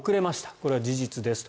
これは事実ですと。